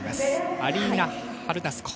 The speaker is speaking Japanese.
アリーナ・ハルナスコ。